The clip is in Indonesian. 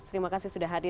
terima kasih sudah hadir